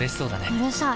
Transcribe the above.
うるさい。